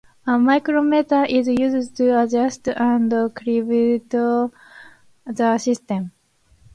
A micrometer is used to adjust and calibrate the system.